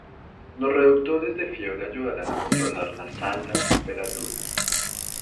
Los reductores de fiebre ayudarán a controlar las altas temperaturas.